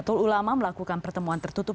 betul ulama melakukan pertemuan tertutup